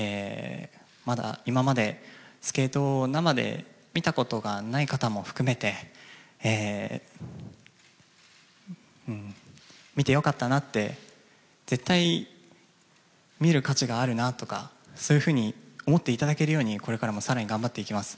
まだ今までスケートを生で見たことのない方も含めて、見てよかったなって、絶対見る価値があるなとかそういうふうに思っていただけるように、これからも更に頑張っていきます。